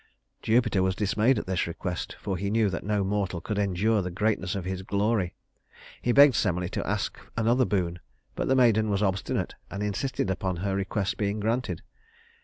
Jupiter was dismayed at this request, for he knew that no mortal could endure the greatness of his glory. He begged Semele to ask another boon; but the maiden was obstinate, and insisted upon her request being granted.